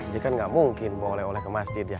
jadi kan nggak mungkin bawa oleh oleh ke masjid ya